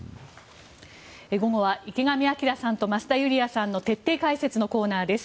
午後は池上彰さんと増田ユリヤさんの徹底解説のコーナーです。